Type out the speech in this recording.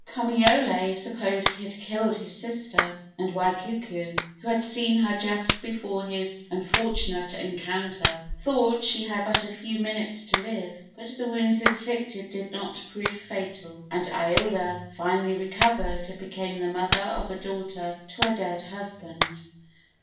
II. Kamaiole supposed he had killed his sister, and Waikuku, who had seen her just before his unfortunate encounter, thought she had but a few minutes to live; but the wounds inflicted did not prove fatal, and Iola finally recovered and became the mother of a daughter to her dead husband.